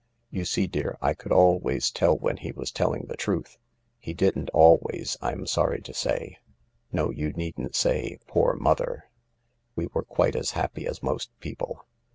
" You see, dear, I could always tell when he was telling the truth. He didn't always, I am sorry to say No, you needn't say, « R>or mother.' We were ouite as happy as most people.